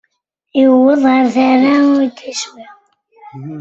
Yewweḍ ar tala ur d-iswi.